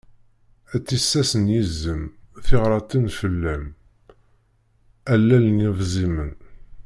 A tissas n yizem, tiɣratin fell-am, a lal n yebzimen.